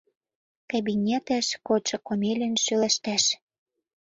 Кабинетеш кодшо Комелин шӱлештеш.